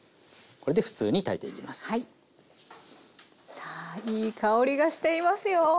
さあいい香りがしていますよ。